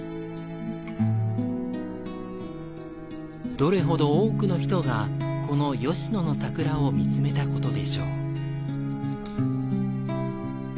どれほど多くの人がこの吉野の桜を見つめたことでしょう。